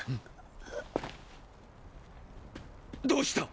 っ⁉どうした！